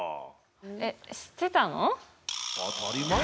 えっ知ってたの？